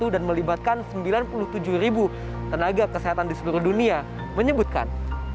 dan melibatkan sembilan puluh tujuh tenaga kesehatan di seluruh dunia menyebutkan